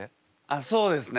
あっそうですね。